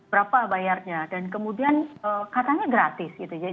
berapa bayarnya dan kemudian katanya gratis gitu ya